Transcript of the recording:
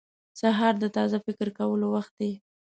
• سهار د تازه فکر کولو وخت دی.